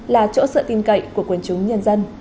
là chỗ sợ tin cậy của quân chúng nhân dân